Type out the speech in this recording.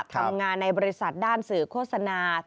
ทำงานในบริษัทด้านสื่อโฆษณา